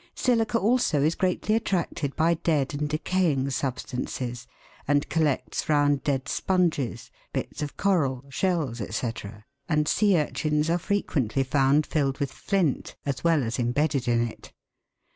Silica also is greatly attracted by dead and decaying substances, and collects round dead sponges, bits of coral, shells, &c., and sea urchins are frequently found filled with flint, as well as embedded in it.